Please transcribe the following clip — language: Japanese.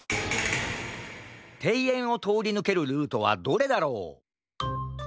ていえんをとおりぬけるルートはどれだろう？